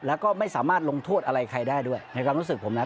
แล้วก็ไม่สามารถลงโทษอะไรใครได้ด้วยในความรู้สึกผมนะ